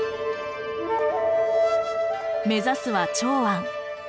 目指すは長安。